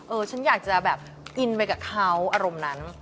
ฉันอยากจะแบบกินไปกับเขาอารมณ์นั้น